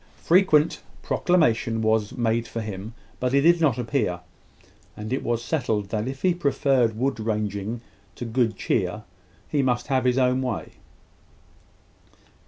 Frequent proclamation was made for him; but he did not appear; and it was settled that if he preferred wood ranging to good cheer, he must have his own way.